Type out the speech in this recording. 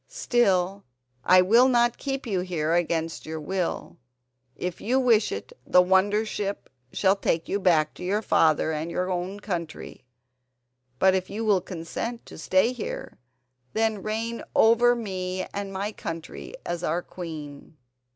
Still I will not keep you here against your will. If you wish it, the wonder ship shall take you back to your father and your own country; but if you will consent to stay here, then reign over me and my country as our queen."